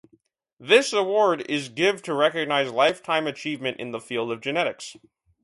This award is give to recognize lifetime achievement in the field of genetics.